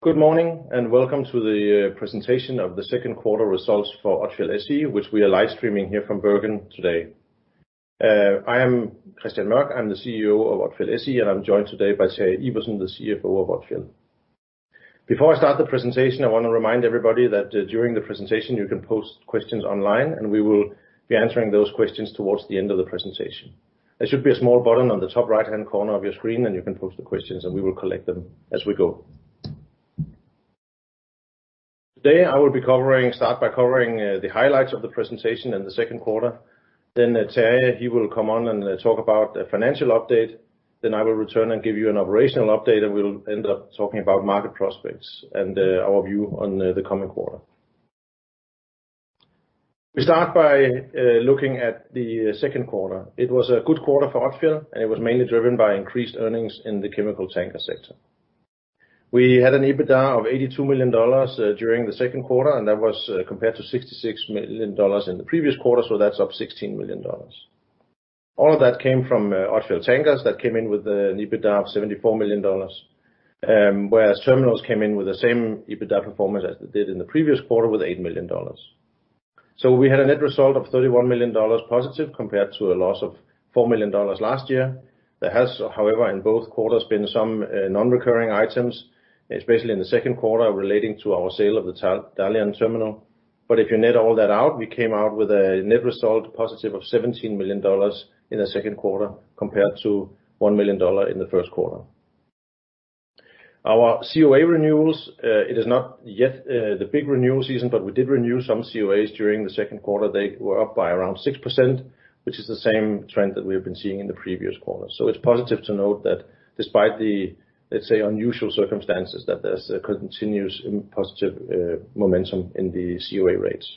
Good morning, and welcome to the presentation of the second quarter results for Odfjell SE, which we are live streaming here from Bergen today. I am Kristian Mørch. I'm the CEO of Odfjell SE. I'm joined today by Terje Iversen, the CFO of Odfjell. Before I start the presentation, I want to remind everybody that during the presentation, you can post questions online. We will be answering those questions towards the end of the presentation. There should be a small button on the top right-hand corner of your screen, and you can post the questions, and we will collect them as we go. Today, I will start by covering the highlights of the presentation and the second quarter. Terje will come on and talk about the financial update. I will return and give you an operational update, and we'll end up talking about market prospects and our view on the coming quarter. We start by looking at the second quarter. It was a good quarter for Odfjell, and it was mainly driven by increased earnings in the chemical tanker sector. We had an EBITDA of $82 million during the second quarter, and that was compared to $66 million in the previous quarter. That's up $16 million. All of that came from Odfjell Tankers that came in with an EBITDA of $74 million, whereas Terminals came in with the same EBITDA performance as it did in the previous quarter with $8 million. We had a net result of $31 million positive compared to a loss of $4 million last year. There has, however, in both quarters, been some non-recurring items, especially in the second quarter, relating to our sale of the Dalian terminal. If you net all that out, we came out with a net result positive of $17 million in the second quarter compared to $1 million in the first quarter. Our CoA renewals, it is not yet the big renewal season, but we did renew some CoAs during the second quarter. They were up by around 6%, which is the same trend that we have been seeing in the previous quarter. It's positive to note that despite the, let's say, unusual circumstances, that there's a continuous positive momentum in the CoA rates.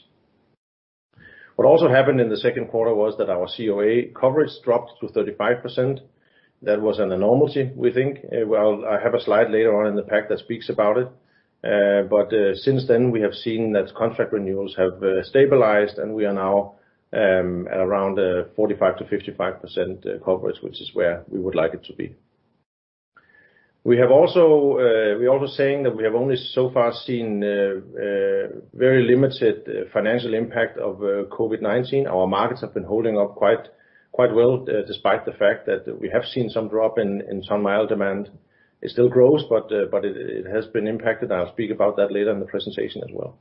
What also happened in the second quarter was that our CoA coverage dropped to 35%. That was an anomaly, we think. I have a slide later on in the pack that speaks about it. Since then, we have seen that contract renewals have stabilized, and we are now at around 45%-55% coverage, which is where we would like it to be. We are also saying that we have only so far seen very limited financial impact of COVID-19. Our markets have been holding up quite well, despite the fact that we have seen some drop in some mild demand. It still grows, but it has been impacted, and I'll speak about that later in the presentation as well.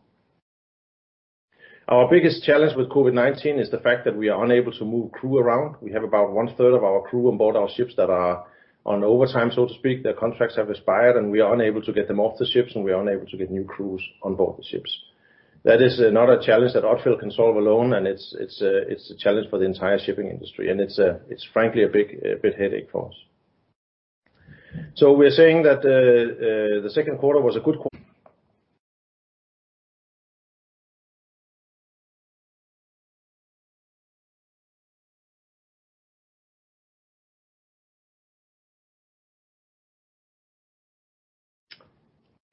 Our biggest challenge with COVID-19 is the fact that we are unable to move crew around. We have about one third of our crew on board our ships that are on overtime, so to speak. Their contracts have expired, and we are unable to get them off the ships, and we are unable to get new crews on board the ships. That is not a challenge that Odfjell can solve alone, and it's a challenge for the entire shipping industry, and it's frankly a big headache for us. We are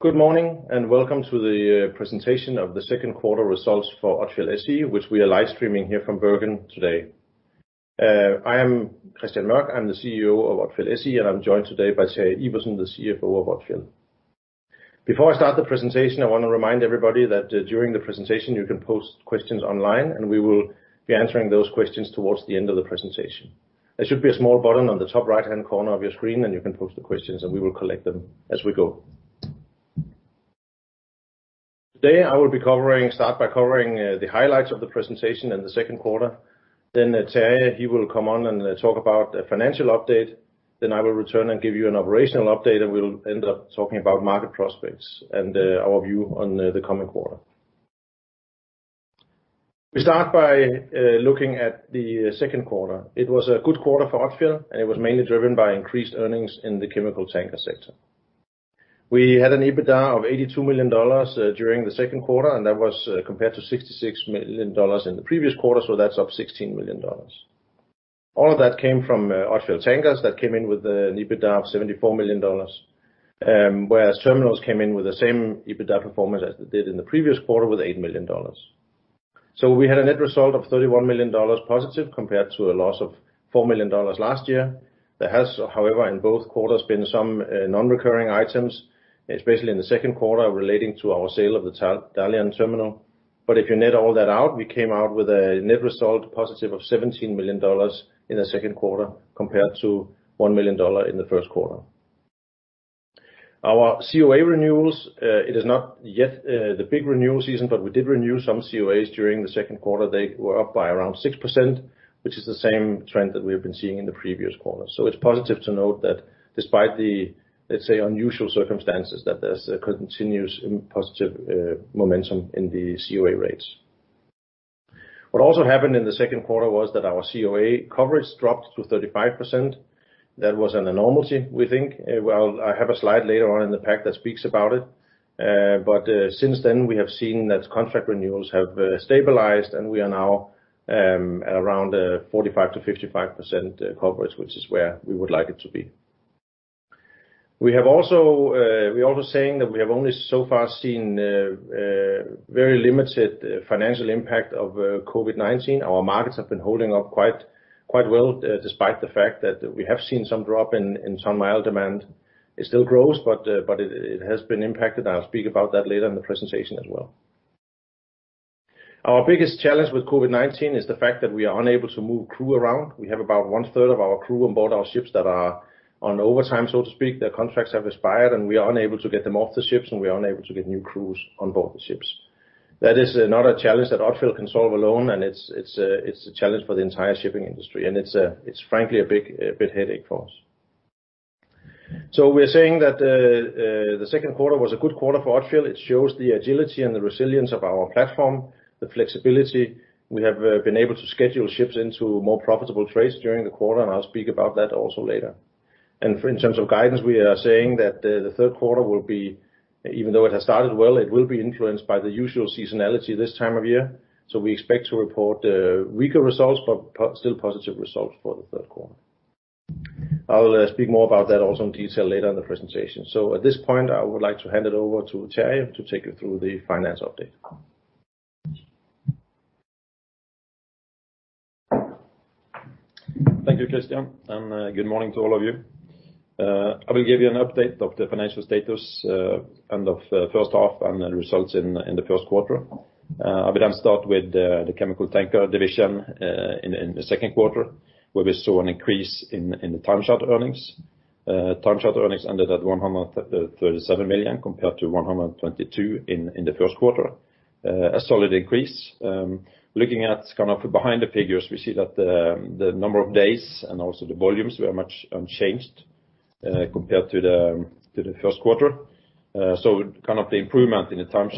saying that the second quarter was a good quarter for Odfjell. It shows the agility and the resilience of our platform, the flexibility. We have been able to schedule ships into more profitable trades during the quarter, and I'll speak about that also later. In terms of guidance, we are saying that the third quarter will be, even though it has started well, it will be influenced by the usual seasonality this time of year. We expect to report weaker results, but still positive results for the third quarter. I will speak more about that also in detail later in the presentation. At this point, I would like to hand it over to Terje to take you through the finance update. Thank you, Kristian. Good morning to all of you. I will give you an update of the financial status end of first half and the results in the first quarter. I will start with the chemical tanker division in the second quarter, where we saw an increase in the time charter earnings. Time charter earnings ended at $137 million compared to $122 million in the first quarter. A solid increase. Looking at kind of behind the figures, we see that the number of days and also the volumes were much unchanged compared to the first quarter. Kind of the improvement in the time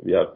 charter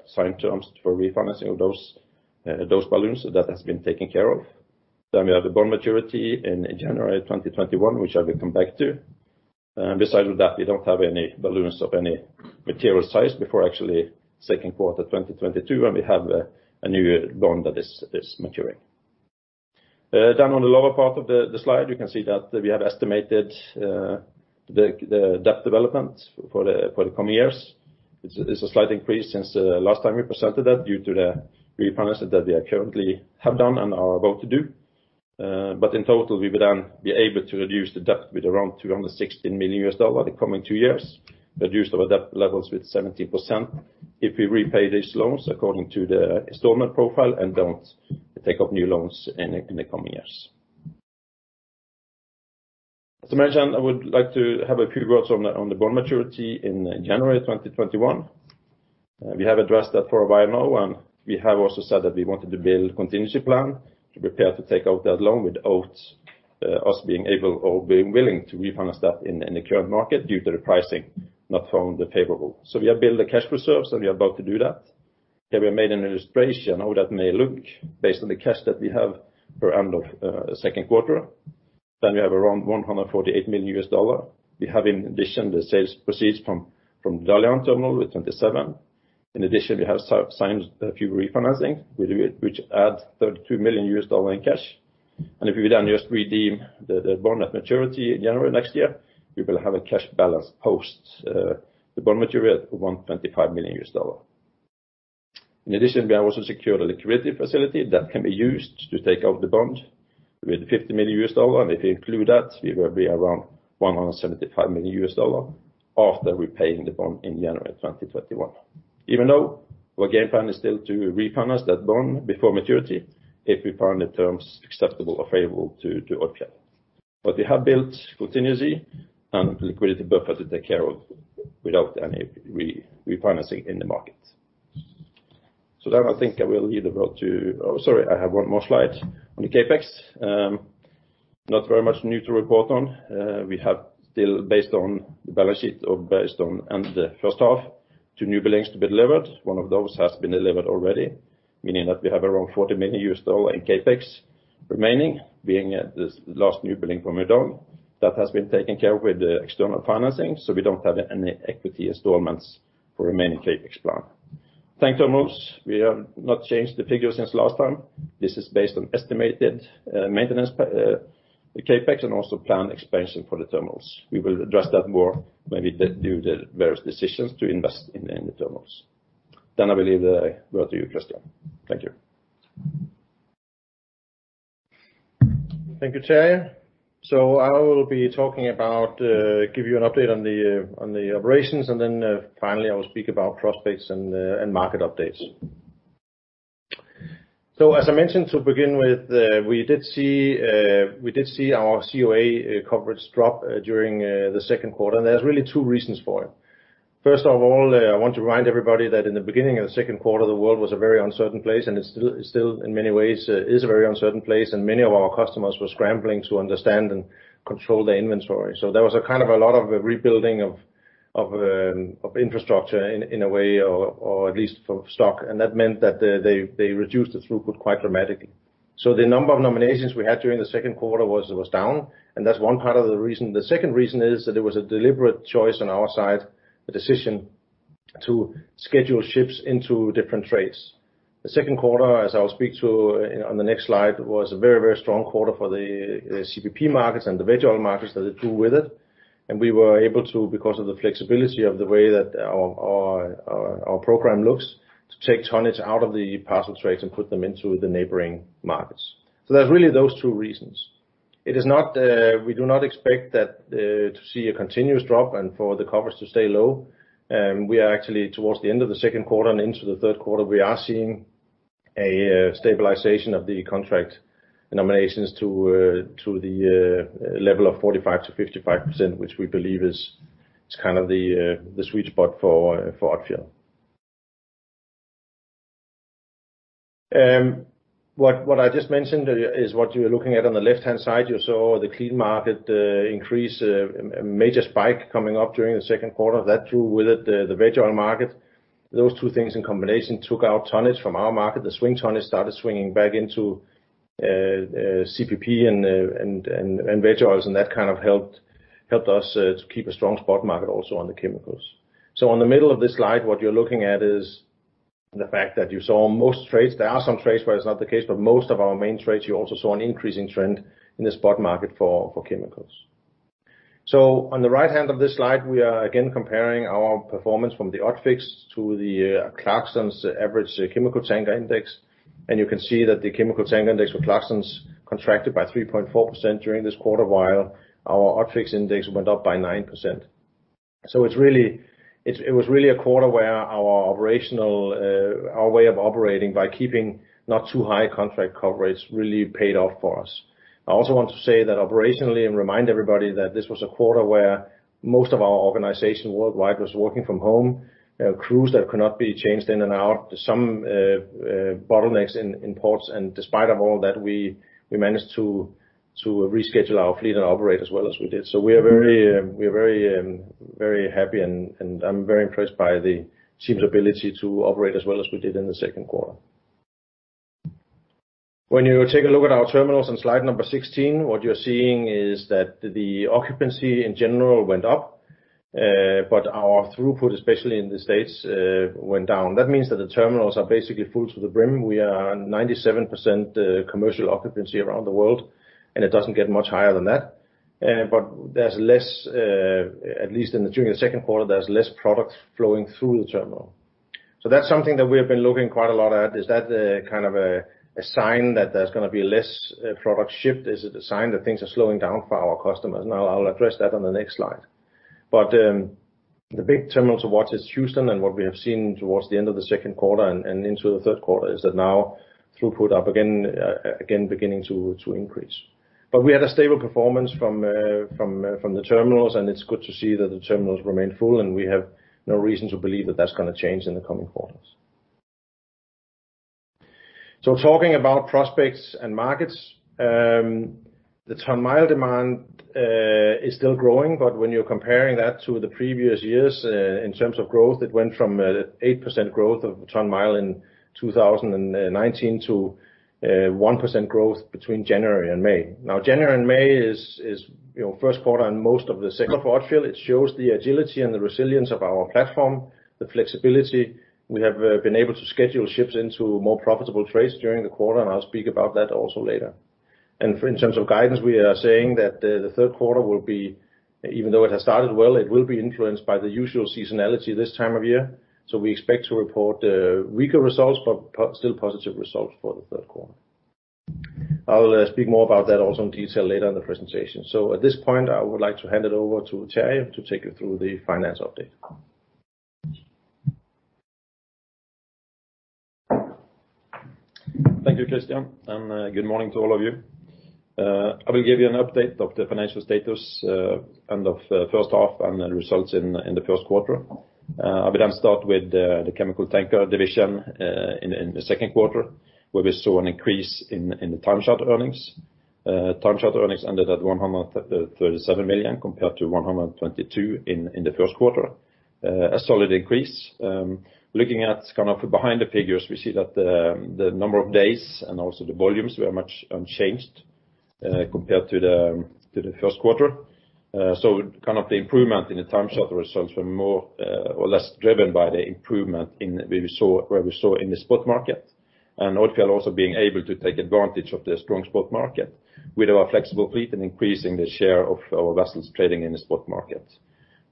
results were more or less driven by the improvement where we saw in the spot market and Odfjell also being able to take advantage of the strong spot market with our flexible fleet and increasing the share of our vessels trading in the spot market.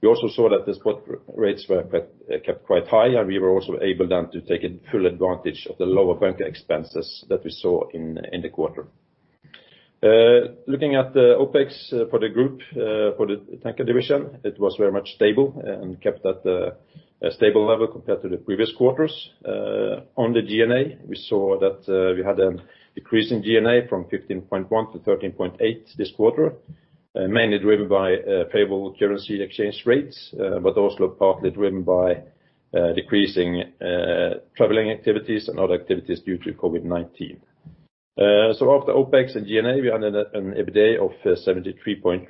We also saw that the spot rates were kept quite high, and we were also able then to take full advantage of the lower bunker expenses that we saw in the quarter. Looking at the OpEx for the group for the tanker division, it was very much stable and kept at a stable level compared to the previous quarters. On the G&A, we saw that we had a decrease in G&A from $15.1 to $13.8 this quarter, mainly driven by favorable currency exchange rates but also partly driven by decreasing traveling activities and other activities due to COVID-19. After OpEx and G&A, we ended at an EBITDA of $73.9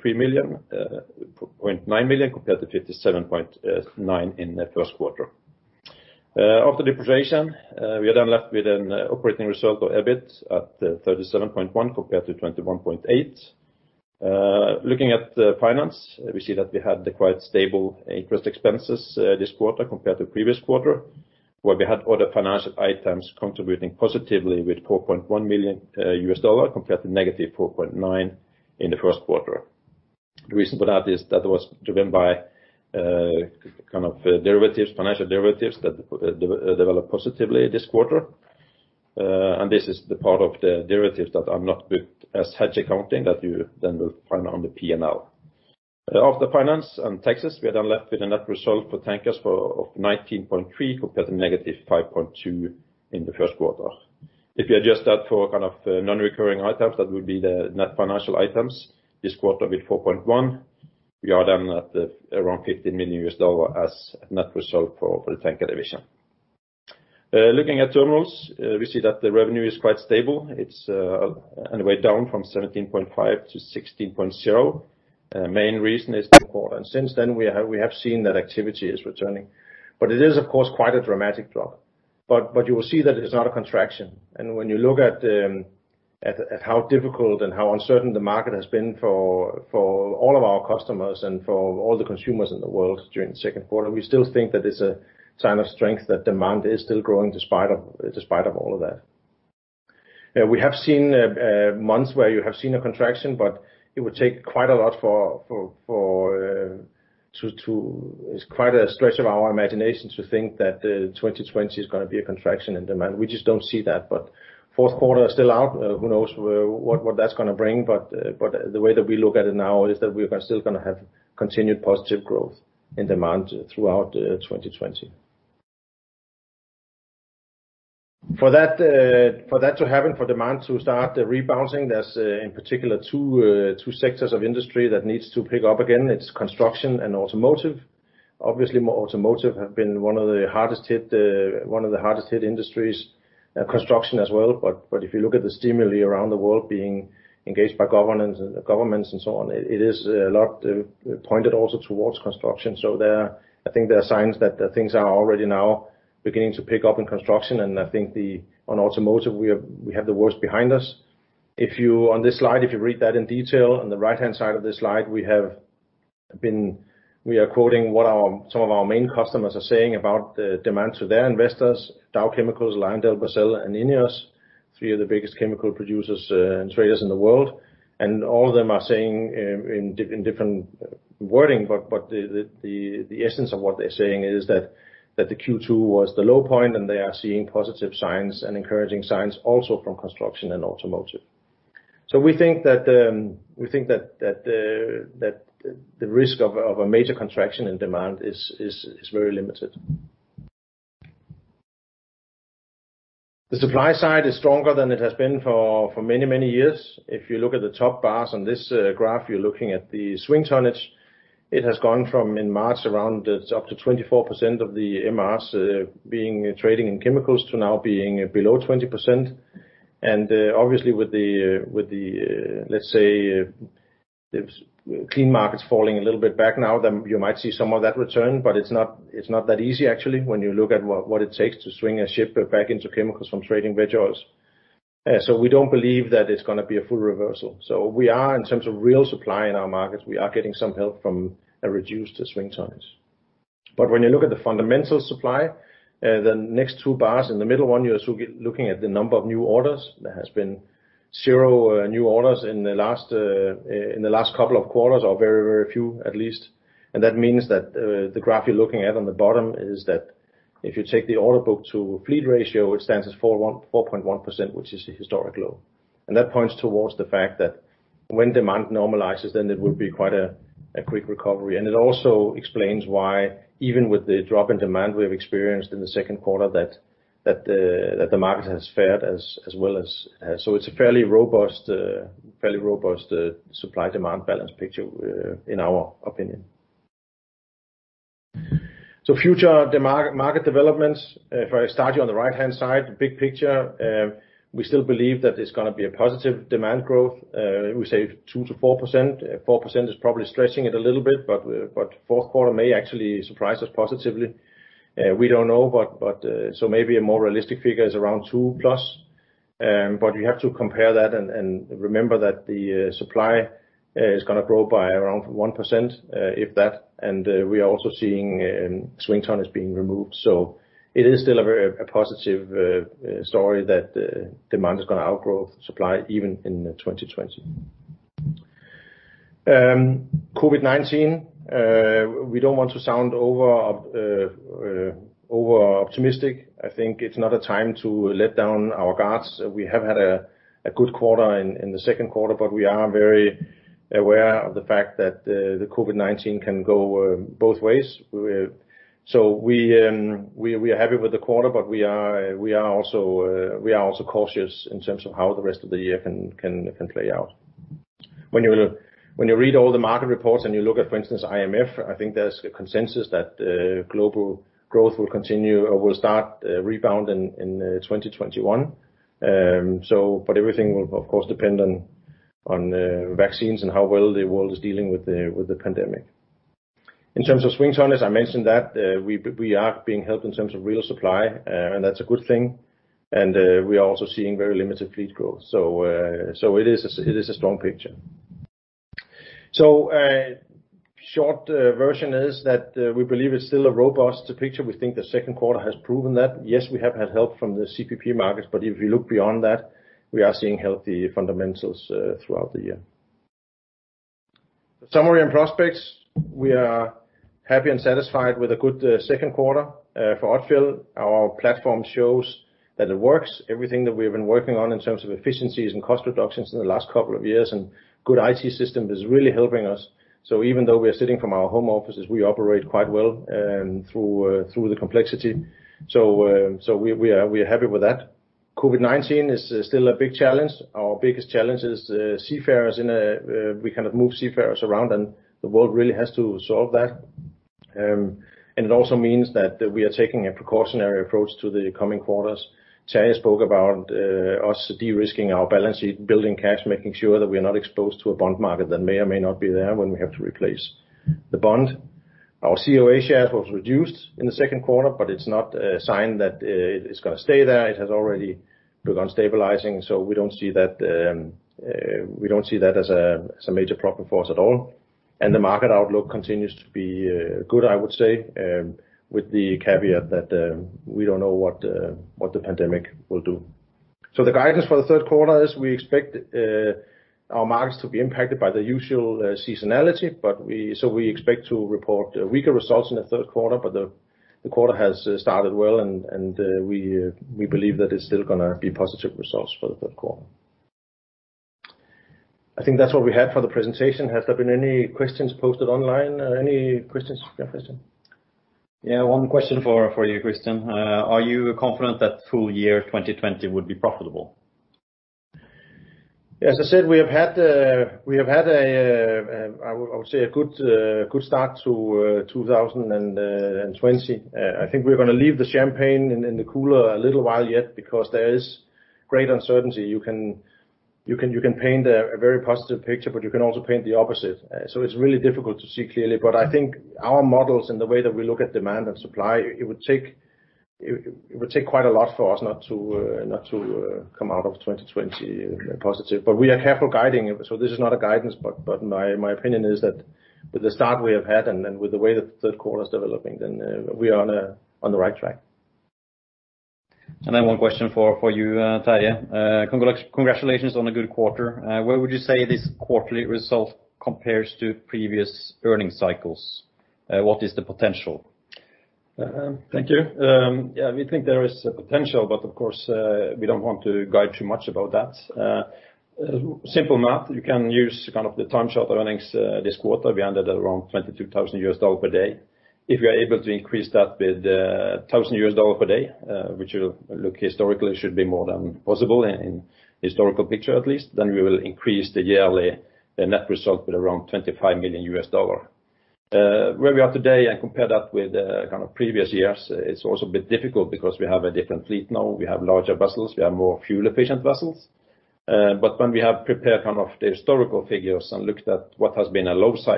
million compared to $57.9 million in the first quarter. After depreciation, we are then left with an operating result of EBIT at $37.1 million compared to $21.8 million. Looking at finance, we see that we had quite stable interest expenses this quarter compared to previous quarter, where we had other financial items contributing positively with $4.1 million compared to negative $4.9 million in the first quarter. The reason for that is that was driven by kind of derivatives, financial derivatives that developed positively this quarter. This is the part of the derivatives that are not booked as hedge accounting that you then will find on the P&L. After finance and taxes, we are then left with a net result for tankers of $19.3 compared to negative $5.2 in the first quarter. If you adjust that for kind of non-recurring items, that would be the net financial items this quarter with $4.1, we are then at around $15 million as net result for the tanker division. Looking at terminals, we see that the revenue is quite stable. It's anyway down from $17.5-$16.0. Main reason is that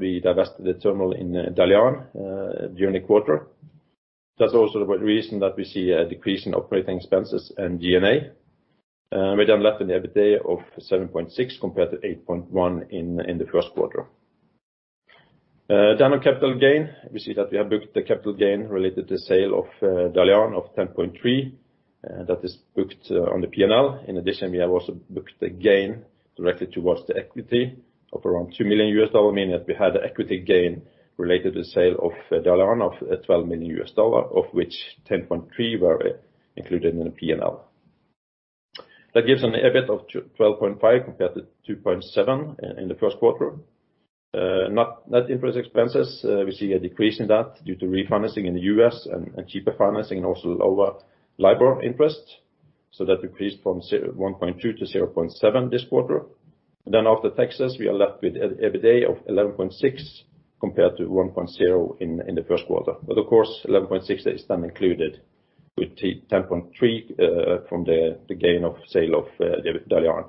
we divested the terminal in Dalian during the quarter. That's also the reason that we see a decrease in operating expenses and G&A. We are left with an EBITDA of $7.6 compared to $8.1 in the first quarter. Down on capital gain, we see that we have booked the capital gain related to sale of Dalian of $10.3, that is booked on the P&L. In addition, we have also booked a gain directly towards the equity of around $2 million, meaning that we had equity gain related to the sale of Dalian of $12 million, of which $10.3 were included in the P&L. That gives an EBIT of $12.5 compared to $2.7 in the first quarter. Net interest expenses, we see a decrease in that due to refinancing in the U.S. and cheaper financing and also lower LIBOR interest. That decreased from $1.2 to $0.7 this quarter. After taxes, we are left with EBITDA of $11.6 compared to $1.0 in the first quarter. Of course, $11.6 is then included with $10.3 from the gain of sale of Dalian.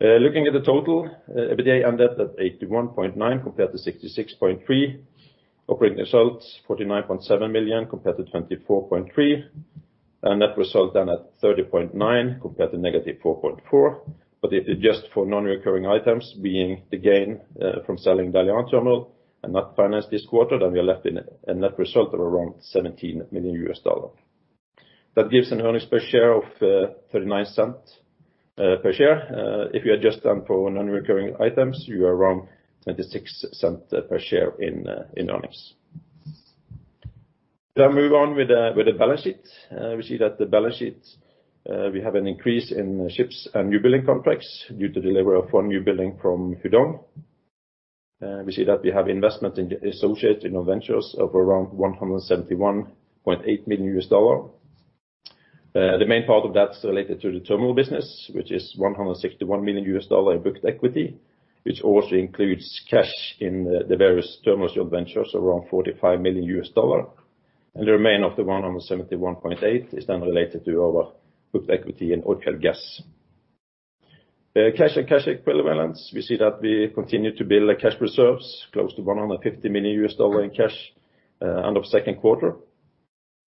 Looking at the total, EBITDA ended at $81.9 compared to $66.3. Operating results, $49.7 million compared to $24.3. Net result down at $30.9 compared to negative $4.4. Adjust for non-recurring items being the gain from selling Dalian terminal and net finance this quarter, we are left in a net result of around $17 million. That gives an earnings per share of $0.39 per share. If you adjust for non-recurring items, you are around $0.26 per share in earnings. I move on with the balance sheet. We see that the balance sheet, we have an increase in ships and new building contracts due to delivery of one new building from Hudong. We see that we have investment in associated ventures of around $171.8 million. The main part of that is related to the terminal business, which is $161 million in booked equity, which also includes cash in the various terminal joint ventures, around $45 million. The remainder of the $171.8 is then related to our booked equity in Odfjell Gas. Cash and cash equivalents. We see that we continue to build cash reserves close to $150 million in cash end of second quarter.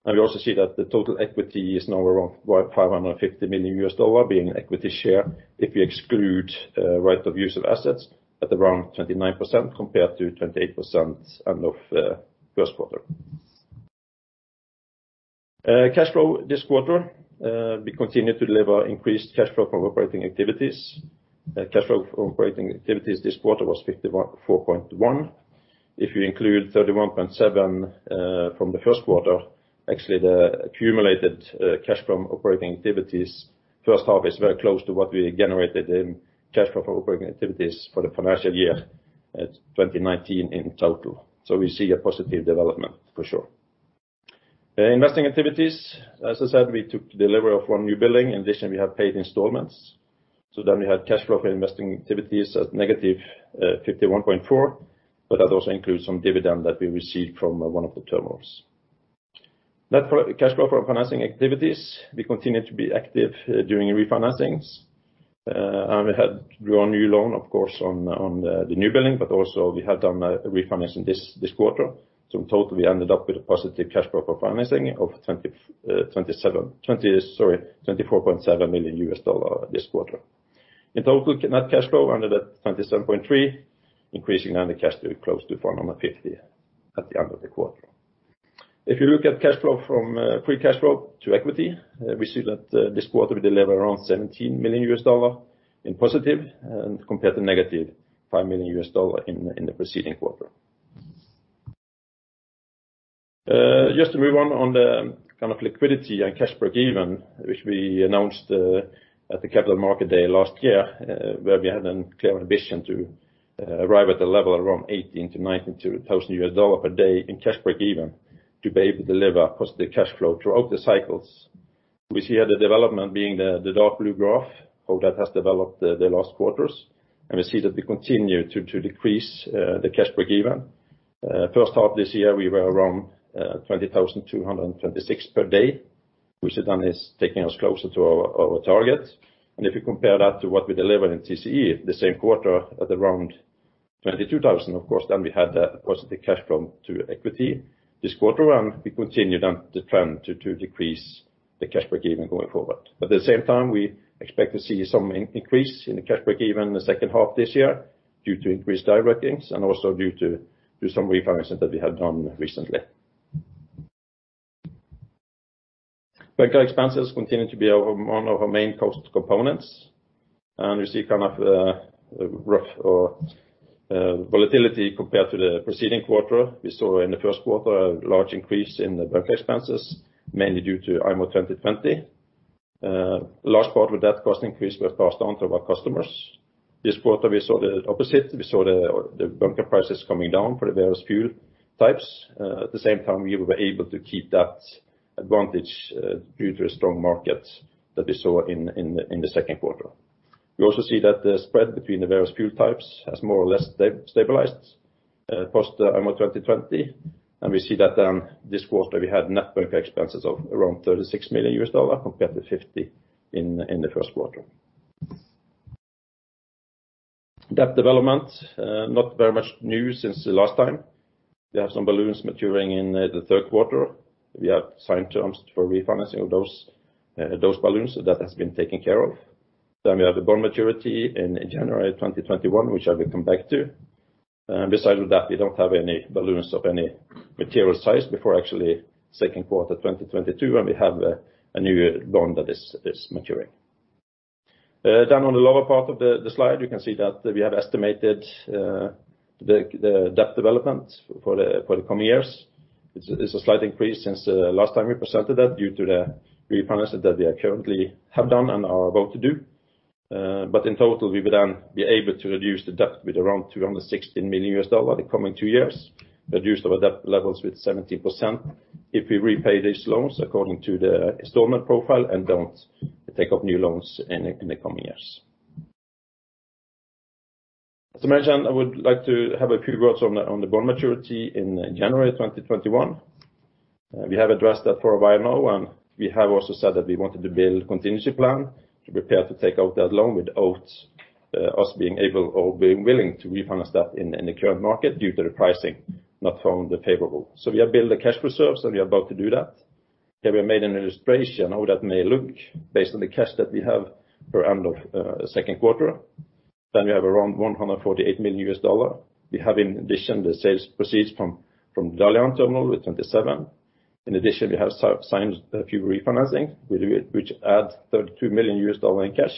We also see that the total equity is now around $550 million being equity share if you exclude right of use of assets at around 29% compared to 28% end of first quarter. Cash flow this quarter, we continued to deliver increased cash flow from operating activities. Cash flow from operating activities this quarter was $54.1. If you include $31.7 from the first quarter, actually the accumulated cash from operating activities first half is very close to what we generated in cash flow from operating activities for the financial year 2019 in total. We see a positive development for sure. Investing activities, as I said, we took delivery of one newbuilding. In addition, we have paid installments. We had cash flow from investing activities at negative $51.4, but that also includes some dividend that we received from one of the terminals. Net cash flow from financing activities. We continued to be active doing refinancings. We had drawn a new loan, of course, on the newbuilding, but also we have done a refinance in this quarter. In total, we ended up with a positive cash flow for financing of $24.7 million this quarter. In total, net cash flow ended at $27.3, increasing our cash to close to $450 at the end of the quarter. If you look at cash flow from free cash flow to equity, we see that this quarter we deliver around $17 million in positive and compared to negative $5 million in the preceding quarter. Just to move on the kind of liquidity and cash break-even, which we announced at the Capital Markets Day last year, where we had a clear ambition to arrive at a level around $18,000-$19,000 USD per day in cash break-even to be able to deliver positive cash flow throughout the cycles. We see here the development being the dark blue graph, how that has developed the last quarters, and we see that we continue to decrease the cash break-even. First half this year, we were around $20,226 per day, which then is taking us closer to our target. If you compare that to what we delivered in TCE the same quarter at around $22,000, of course, then we had a positive cash flow to equity. This quarter, we continued on the trend to decrease the cash break-even going forward. At the same time, we expect to see some increase in the cash break-even in the second half this year due to increased dry dockings and also due to some refinances that we have done recently. Bunker expenses continue to be one of our main cost components, and you see kind of the rough volatility compared to the preceding quarter. We saw in the first quarter a large increase in the bunker expenses, mainly due to IMO 2020. Last quarter, that cost increase was passed on to our customers. This quarter, we saw the opposite. We saw the bunker prices coming down for the various fuel types. At the same time, we were able to keep that advantage due to the strong markets that we saw in the second quarter. We also see that the spread between the various fuel types has more or less stabilized post IMO 2020. We see that this quarter we had net bunker expenses of around $36 million compared to $50 in the first quarter. Debt development, not very much new since the last time. We have some balloons maturing in the third quarter. We have signed terms for refinancing of those balloons. That has been taken care of. We have a bond maturity in January 2021, which I will come back to. Besides that, we don't have any balloons of any material size before actually second quarter 2022, when we have a new bond that is maturing. On the lower part of the slide, you can see that we have estimated the debt development for the coming years. It's a slight increase since the last time we presented that due to the refinance that we currently have done and are about to do. In total, we will then be able to reduce the debt with around $216 million in the coming two years, reduce our debt levels with 70% if we repay these loans according to the installment profile and don't take up new loans in the coming years. As I mentioned, I would like to have a few words on the bond maturity in January 2021. We have addressed that for a while now, and we have also said that we wanted to build a contingency plan to prepare to take out that loan without us being able or being willing to refinance that in the current market due to the pricing not found favorable. We have built the cash reserves, and we are about to do that. Here we have made an illustration how that may look based on the cash that we have for end of second quarter. We have around $148 million. We have in addition the sales proceeds from Dalian terminal with $27. In addition, we have signed a few refinancings, which add $32 million in cash.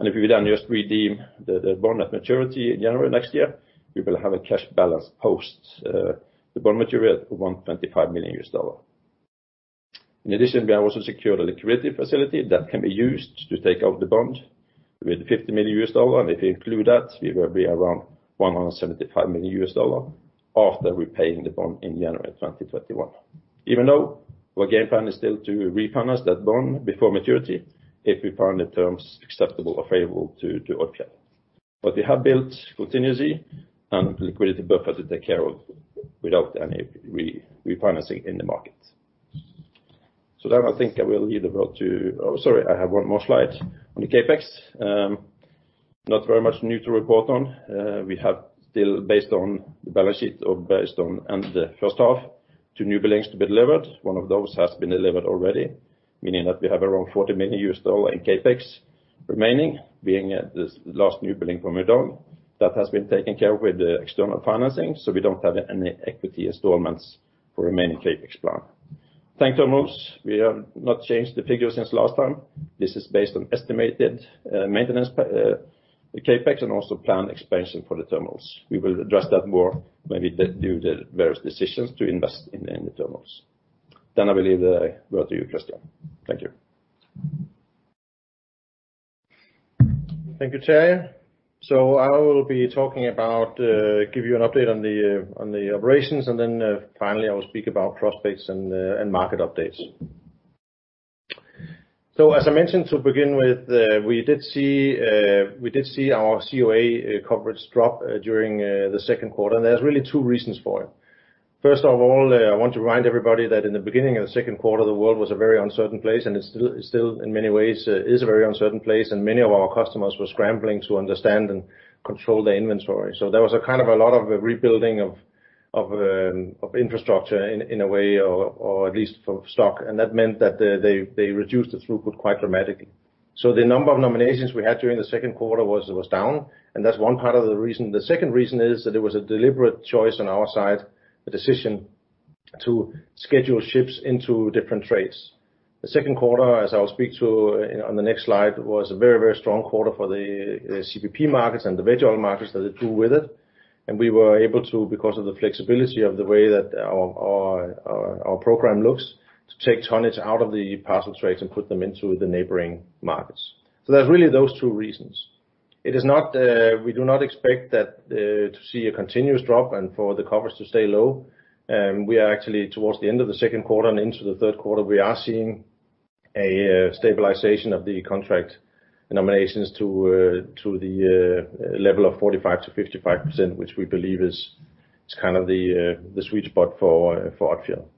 If we then just redeem the bond at maturity in January next year, we will have a cash balance post the bond maturity of $125 million. We have also secured a liquidity facility that can be used to take out the bond with $50 million. If you include that, we will be around $175 million after repaying the bond in January 2021. Even though our game plan is still to refinance that bond before maturity, if we find the terms acceptable or favorable to Odfjell. We have built contingency and liquidity buffer to take care of without any refinancing in the market. I think I will leave the floor. Oh, sorry, I have one more slide on the CapEx. Not very much new to report on. We have still based on the balance sheet, or based on the first half, two newbuildings to be delivered. One of those has been delivered already, meaning that we have around $40 million in CapEx remaining, being this last newbuilding from Hudong. That has been taken care of with the external financing, we don't have any equity installments for remaining CapEx plan. Tank terminals, we have not changed the figure since last time. This is based on estimated maintenance CapEx and also planned expansion for the terminals. We will address that more maybe due to various decisions to invest in the terminals. I will leave the floor to you, Kristian. Thank you. Thank you, Terje. I will be talking about giving you an update on the operations, and then finally, I will speak about prospects and market updates. As I mentioned to begin with, we did see our CoA coverage drop during the second quarter, and there's really two reasons for it. First of all, I want to remind everybody that in the beginning of the second quarter, the world was a very uncertain place, and it still in many ways is a very uncertain place, and many of our customers were scrambling to understand and control their inventory. There was a lot of rebuilding of infrastructure in a way, or at least for stock. That meant that they reduced the throughput quite dramatically. The number of nominations we had during the second quarter was down, and that's one part of the reason. The second reason is that it was a deliberate choice on our side, a decision to schedule ships into different trades. The second quarter, as I'll speak to on the next slide, was a very strong quarter for the CPP markets and the veg oil markets that drew with it. We were able to, because of the flexibility of the way that our program looks, to take tonnage out of the parcel trades and put them into the neighboring markets. There's really those two reasons. We do not expect to see a continuous drop and for the coverage to stay low. We are actually towards the end of the second quarter and into the third quarter, we are seeing a stabilization of the contract nominations to the level of 45%-55%, which we believe is kind of the sweet spot for Odfjell.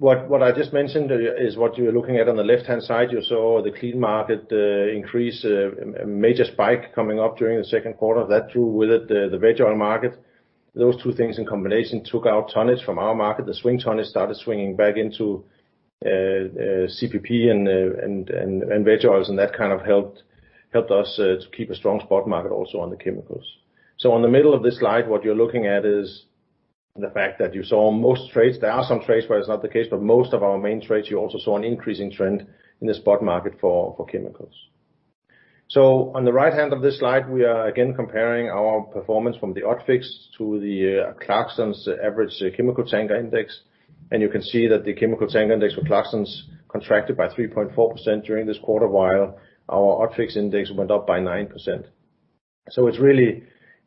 What I just mentioned is what you're looking at on the left-hand side. You saw the clean market increase, a major spike coming up during the second quarter. That drew with it the veg oil market. Those two things in combination took out tonnage from our market. The swing tonnage started swinging back into CPP and veg oils. That kind of helped us to keep a strong spot market also on the chemicals. On the middle of this slide, what you're looking at is the fact that you saw most trades. There are some trades where it's not the case. Most of our main trades, you also saw an increasing trend in the spot market for chemicals. On the right-hand of this slide, we are again comparing our performance from the ODFIX to the Clarksons average chemical tanker index. You can see that the chemical tanker index for Clarksons contracted by 3.4% during this quarter, while our ODFIX index went up by 9%.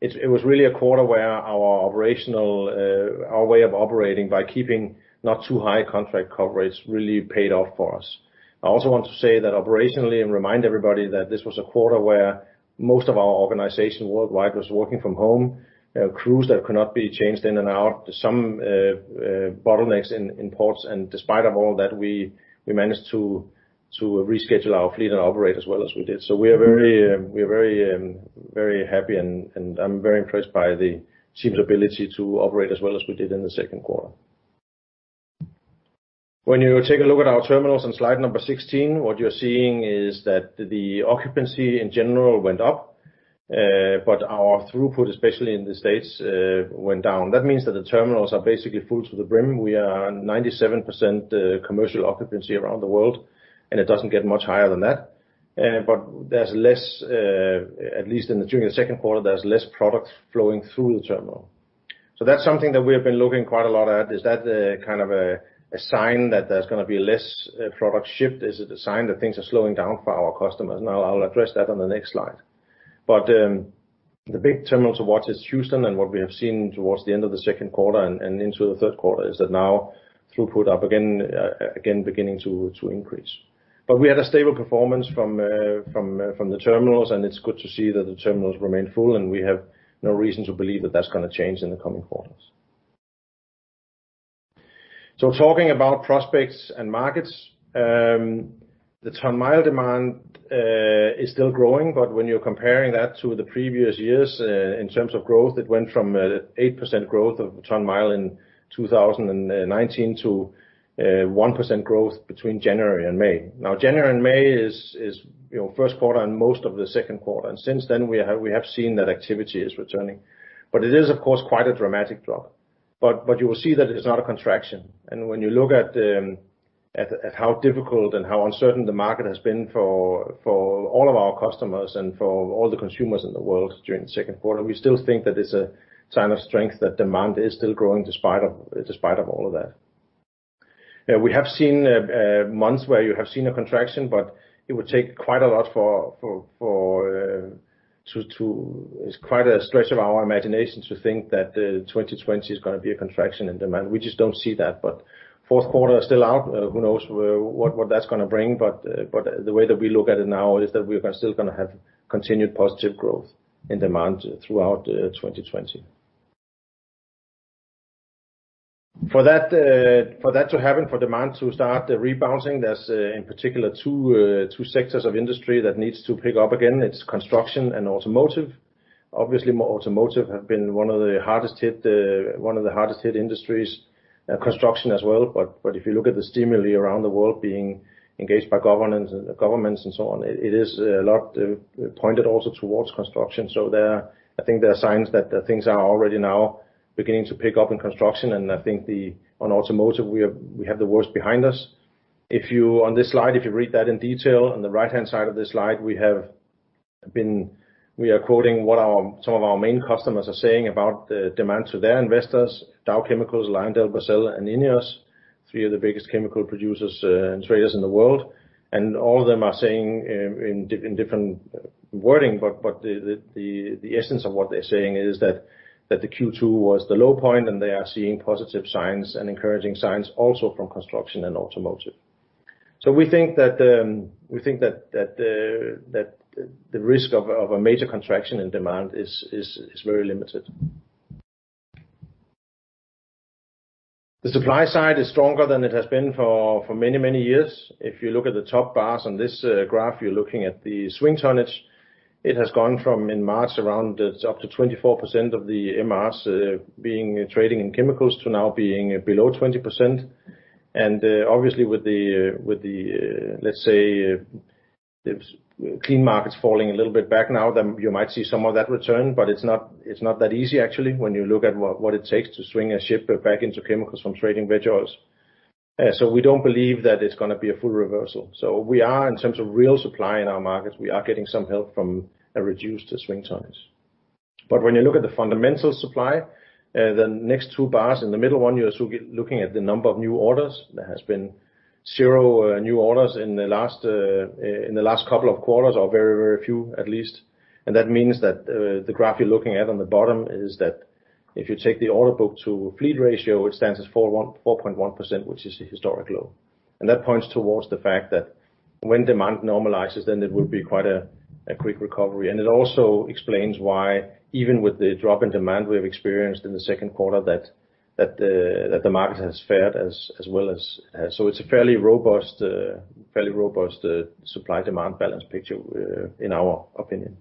It was really a quarter where our way of operating by keeping not too high contract coverage really paid off for us. I also want to say that operationally, and remind everybody that this was a quarter where most of our organization worldwide was working from home, crews that could not be changed in and out, some bottlenecks in ports. Despite of all that, we managed to reschedule our fleet and operate as well as we did. We are very happy, and I'm very impressed by the team's ability to operate as well as we did in the second quarter. When you take a look at our terminals on slide number 16, what you're seeing is that the occupancy in general went up, our throughput, especially in the U.S., went down. That means that the terminals are basically full to the brim. We are 97% commercial occupancy around the world, it doesn't get much higher than that. There's less, at least during the second quarter, there's less product flowing through the terminal. That's something that we have been looking quite a lot at, is that the sign that there's going to be less product shipped? Is it a sign that things are slowing down for our customers? I'll address that on the next slide. The big terminal to watch is Houston, and what we have seen towards the end of the second quarter and into the third quarter is that now throughput are again beginning to increase. We had a stable performance from the terminals, and it's good to see that the terminals remain full, and we have no reason to believe that that's going to change in the coming quarters. Talking about prospects and markets. The ton-mile demand is still growing, but when you're comparing that to the previous years in terms of growth, it went from 8% growth of ton-mile in 2019 to We have seen months where you have seen a contraction, but it would take quite a lot, it's quite a stretch of our imaginations to think that 2020 is going to be a contraction in demand. We just don't see that, but fourth quarter is still out. Who knows what that's going to bring, the way that we look at it now is that we are still going to have continued positive growth in demand throughout 2020. For that to happen, for demand to start rebounding, there's in particular two sectors of industry that needs to pick up again. It's construction and automotive. Obviously, automotive have been one of the hardest hit industries, construction as well. If you look at the stimuli around the world being engaged by governments and so on, it is a lot pointed also towards construction. I think there are signs that things are already now beginning to pick up in construction, and I think on automotive, we have the worst behind us. On this slide, if you read that in detail on the right-hand side of this slide, we are quoting what some of our main customers are saying about the demand to their investors, Dow Chemicals, LyondellBasell, and INEOS, three of the biggest chemical producers and traders in the world. All of them are saying in different wording, but the essence of what they're saying is that the Q2 was the low point, and they are seeing positive signs and encouraging signs also from construction and automotive. We think that the risk of a major contraction in demand is very limited. The supply side is stronger than it has been for many, many years. If you look at the top bars on this graph, you're looking at the swing tonnage. It has gone from in March around up to 24% of the MRs being trading in chemicals to now being below 20%. Obviously with the, let's say, clean markets falling a little bit back now, you might see some of that return, it's not that easy, actually, when you look at what it takes to swing a ship back into chemicals from trading veg oils. We don't believe that it's going to be a full reversal. We are, in terms of real supply in our markets, we are getting some help from a reduced swing tonnage. When you look at the fundamental supply, the next two bars in the middle one, you're looking at the number of new orders. There has been zero new orders in the last couple of quarters or very few at least. That means that the graph you're looking at on the bottom is that if you take the order book to fleet ratio, it stands at 4.1%, which is a historic low. That points towards the fact that when demand normalizes, then it will be quite a quick recovery. It also explains why, even with the drop in demand we have experienced in the second quarter that the market has fared as well as. It's a fairly robust supply-demand balance picture in our opinion.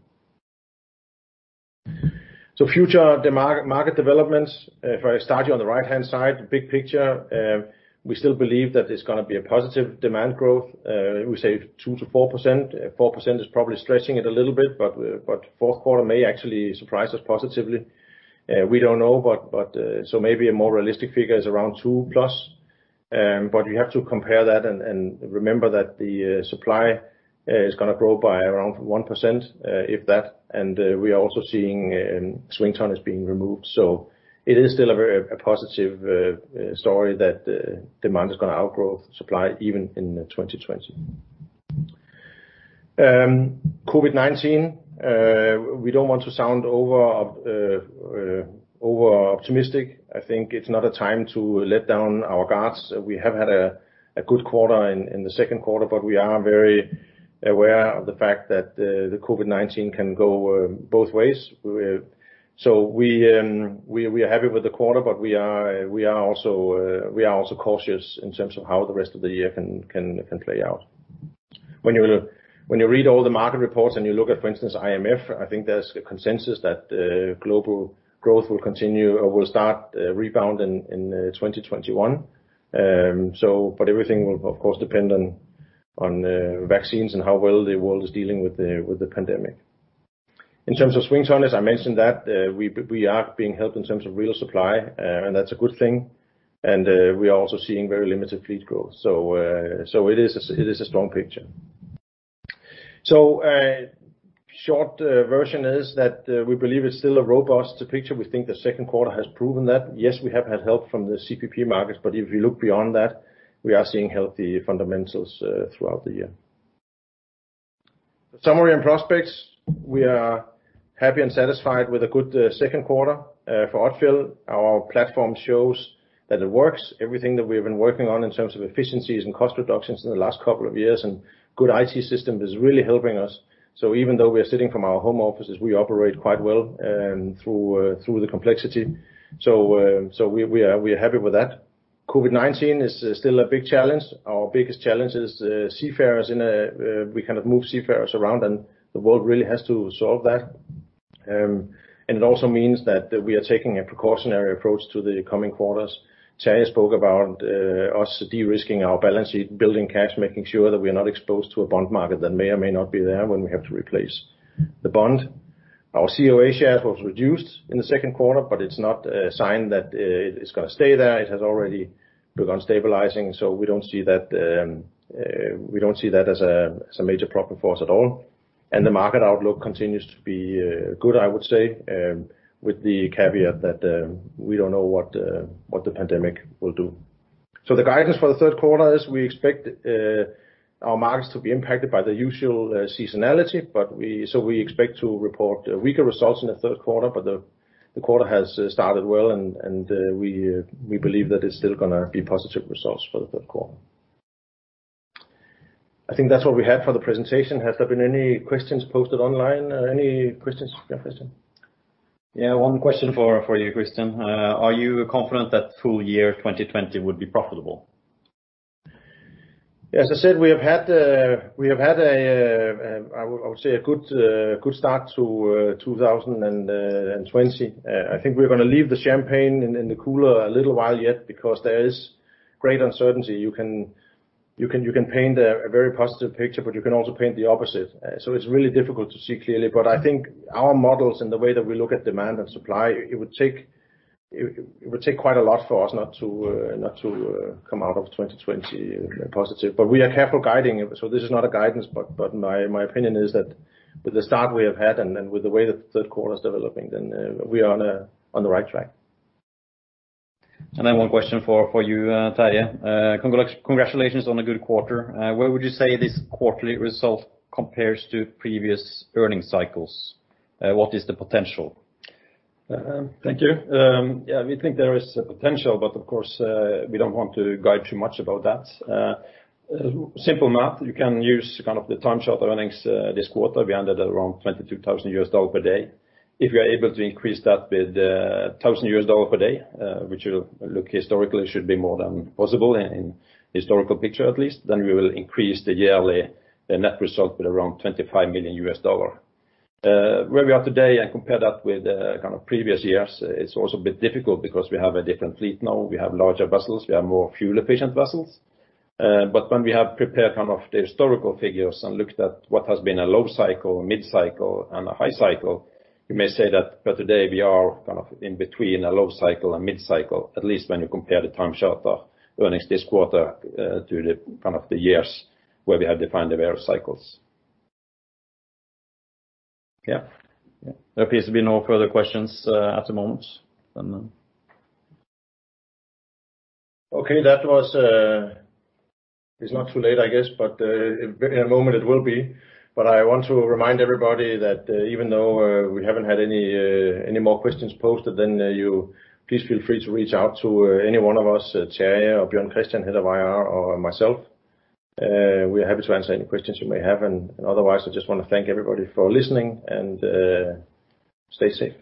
Future market developments. If I start you on the right-hand side, the big picture, we still believe that it's going to be a positive demand growth. We say 2% to 4%. 4% is probably stretching it a little bit, fourth quarter may actually surprise us positively. We don't know, maybe a more realistic figure is around 2+. We have to compare that and remember that the supply is going to grow by around 1%, if that. We are also seeing swing tonnage being removed. It is still a very positive story that demand is going to outgrow supply even in 2020. COVID-19, we don't want to sound over-optimistic. I think it's not a time to let down our guards. We have had a good quarter in the second quarter, but we are very aware of the fact that the COVID-19 can go both ways. We are happy with the quarter, but we are also cautious in terms of how the rest of the year can play out. When you read all the market reports and you look at, for instance, IMF, I think there's a consensus that global growth will continue or will start rebounding in 2021. Everything will of course depend on vaccines and how well the world is dealing with the pandemic. In terms of swing tonnage, I mentioned that we are being helped in terms of real supply, and that's a good thing. We are also seeing very limited fleet growth. It is a strong picture. Short version is that we believe it's still a robust picture. We think the second quarter has proven that. Yes, we have had help from the CPP markets, but if you look beyond that, we are seeing healthy fundamentals throughout the year. Summary and prospects. We are happy and satisfied with a good second quarter for Odfjell. Our platform shows that it works. Everything that we have been working on in terms of efficiencies and cost reductions in the last couple of years and good IT system is really helping us. Even though we are sitting from our home offices, we operate quite well through the complexity. We are happy with that. COVID-19 is still a big challenge. Our biggest challenge is seafarers. We cannot move seafarers around and the world really has to solve that. It also means that we are taking a precautionary approach to the coming quarters. Terje spoke about us de-risking our balance sheet, building cash, making sure that we are not exposed to a bond market that may or may not be there when we have to replace the bond. Our CoA share was reduced in the second quarter, but it's not a sign that it's going to stay there. It has already begun stabilizing, so we don't see that as a major problem for us at all. The market outlook continues to be good, I would say, with the caveat that we don't know what the pandemic will do. The guidance for the third quarter is we expect our markets to be impacted by the usual seasonality, so we expect to report weaker results in the third quarter. The quarter has started well, and we believe that it's still going to be positive results for the third quarter. I think that's what we have for the presentation. Has there been any questions posted online? Any questions? Yeah, Kristian. One question for you, Kristian. Are you confident that full year 2020 would be profitable? As I said, we have had a good start to 2020. I think we're going to leave the champagne in the cooler a little while yet, because there is great uncertainty. You can paint a very positive picture, but you can also paint the opposite. It's really difficult to see clearly. I think our models and the way that we look at demand and supply, it would take quite a lot for us not to come out of 2020 positive. We are careful guiding. This is not a guidance, but my opinion is that with the start we have had and with the way the third quarter is developing, then we are on the right track. One question for you, Terje. Congratulations on a good quarter. Where would you say this quarterly result compares to previous earning cycles? What is the potential? Thank you. Yeah, we think there is a potential, but of course, we don't want to guide too much about that. Simple math, you can use kind of the time charter earnings this quarter. We ended at around $22,000 per day. If we are able to increase that with $1,000 per day, which will look historically should be more than possible in historical picture at least, we will increase the yearly net result with around $25 million. Where we are today and compare that with kind of previous years, it's also a bit difficult because we have a different fleet now. We have larger vessels, we have more fuel-efficient vessels. When we have prepared kind of the historical figures and looked at what has been a low cycle, mid-cycle, and a high cycle, you may say that for today, we are kind of in between a low cycle and mid-cycle, at least when you compare the time charter earnings this quarter to the kind of the years where we have defined the various cycles. Yeah. There appears to be no further questions at the moment. Okay. It's not too late, I guess, in a moment it will be. I want to remind everybody that even though we haven't had any more questions posted, then you please feel free to reach out to any one of us, Terje or Bjørn Kristian, Head of IR, or myself. We are happy to answer any questions you may have. I just want to thank everybody for listening and stay safe.